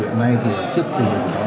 hiện nay trước tình hình đó